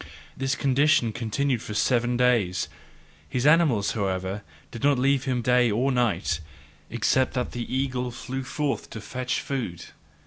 This condition continued for seven days; his animals, however, did not leave him day nor night, except that the eagle flew forth to fetch food.